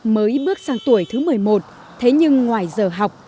mới bước sang tuổi thứ một mươi một thế nhưng ngoài giờ học